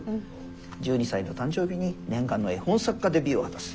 １２歳の誕生日に念願の絵本作家デビューを果たす」。